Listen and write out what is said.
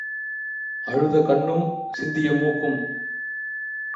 அழுத கண்ணும் சிந்திய மூக்கும்.